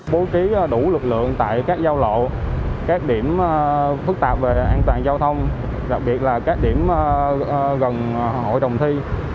bố trí đủ lực lượng tại các giao lộ các điểm phức tạp về an toàn giao thông đặc biệt là các điểm gần hội đồng thi